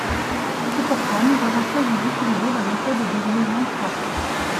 C'est pourquoi, nous avons choisi d'utiliser la méthode des liaisons fortes.